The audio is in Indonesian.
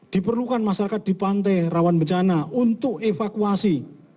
diperlukan masyarakat di pantai rawan bencana untuk evakuasi